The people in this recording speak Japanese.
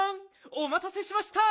おまたせしました！